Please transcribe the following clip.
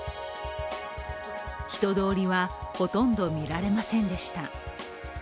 人通りはほとんど見られませんでした。